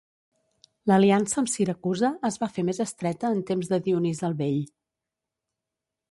L'aliança amb Siracusa es va fer més estreta en temps de Dionís el Vell.